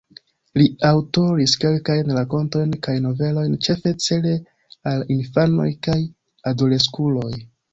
Li aŭtoris kelkajn rakontojn kaj novelojn, ĉefe cele al infanoj kaj adoleskuloj.